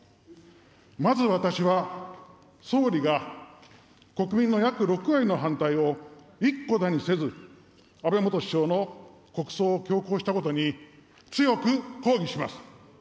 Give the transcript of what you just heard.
まず私は、総理が、国民の約６割の反対を一顧だにせず、安倍元首相の国葬を強行したことに、強く抗議します。